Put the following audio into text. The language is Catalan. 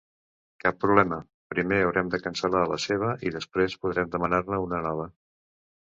Cap problema, primer haurem de cancel·lar la seva i després podrem demanar-ne una nova.